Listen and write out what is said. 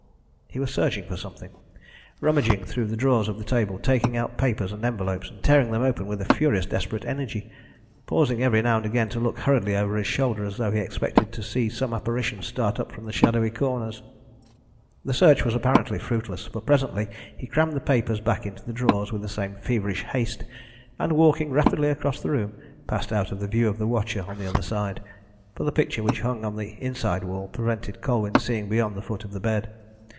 He was searching for something rummaging through the drawers of the table, taking out papers and envelopes, and tearing them open with a furious desperate energy, pausing every now and again to look hurriedly over his shoulder, as though he expected to see some apparition start up from the shadowy corners. The search was apparently fruitless, for presently he crammed the papers back into the drawers with the same feverish haste, and, walking rapidly across the room, passed out of the view of the watcher on the other side, for the picture which hung on the inside wall prevented Colwyn seeing beyond the foot of the bed.